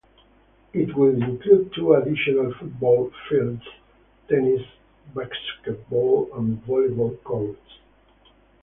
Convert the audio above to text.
It will include two additional football fields, tennis, basketball and volleyball courts.